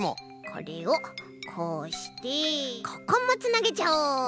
これをこうしてここもつなげちゃおう！